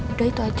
udah itu aja